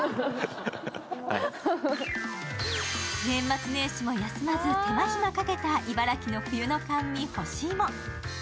年末年始も休まず手間暇かけた茨城の冬の甘味、干しいも。